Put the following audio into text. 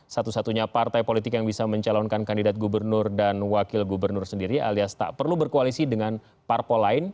satu satunya partai politik yang bisa mencalonkan kandidat gubernur dan wakil gubernur sendiri alias tak perlu berkoalisi dengan parpol lain